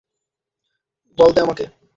বল দে আমাকে।